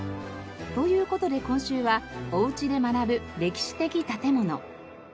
という事で今週はおうちで学ぶ歴史的建物。